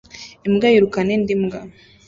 imbwa yirukana indi mbwa